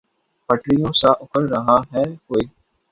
پٹریوں سا اکھڑ رہا ہے کوئی